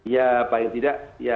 ya paling tidak